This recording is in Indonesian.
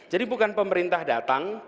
jadi bukan pemerintah datang